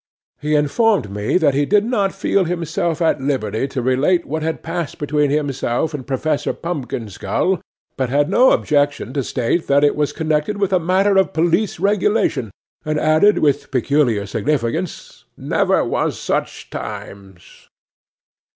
He informed me that he did not feel himself at liberty to relate what had passed between himself and Professor Pumpkinskull, but had no objection to state that it was connected with a matter of police regulation, and added with peculiar significance "Never wos sitch times!"